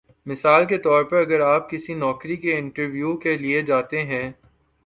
مثال کے طور پر اگر آپ کسی نوکری کے انٹرویو کے لیے جاتے ہیں